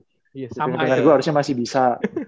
dengan gue harusnya masih bisa